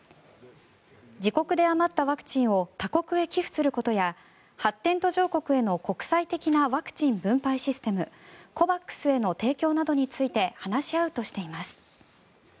自国で余ったワクチンを他国へ寄付することや発展途上国への国際的なワクチン分配システムＣＯＶＡＸへの提供などについて話し合うとしています。